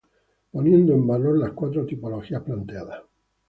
Poniendo en valor las cuatro tipologías planteadas.